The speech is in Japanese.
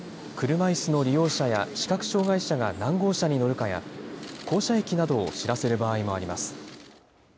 車いすの利用者や視覚障害者が何号車に乗るかや、降車駅などを知らせる場合もあります。